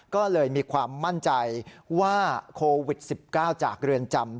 ก็เลยมีความมั่นใจว่าโควิด๑๙จากเรือนจำ